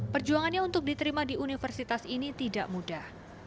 perjuangannya untuk diterima di universitas ini tidak mudah